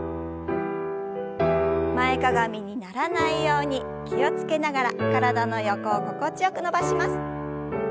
前かがみにならないように気を付けながら体の横を心地よく伸ばします。